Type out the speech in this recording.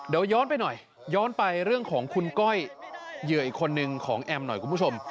เดี๋ยวย้อนไปหน่อยย้อนไปเรื่องของคุณก้อยเหยื่ออีกคนนึงของแอมหน่อยคุณผู้ชม